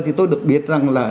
thì tôi được biết rằng là